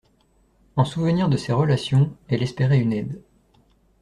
En souvenir de ces relations, elle espérait une aide.